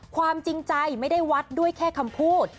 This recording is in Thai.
ความจริงใจไม่ได้วัดด้วยแค่คำพูด